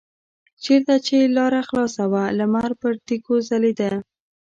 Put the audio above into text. چېرته چې لاره خلاصه وه لمر پر تیږو ځلیده.